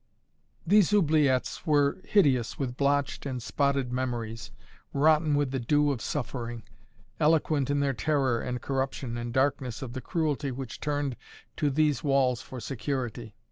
These oubliettes were hideous with blotched and spotted memories, rotten with the dew of suffering, eloquent in their terror and corruption and darkness of the cruelty which turned to these walls for security.